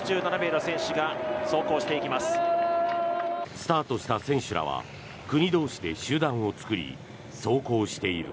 スタートした選手らは国同士で集団を作り走行している。